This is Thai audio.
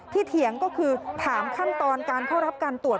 เถียงก็คือถามขั้นตอนการเข้ารับการตรวจ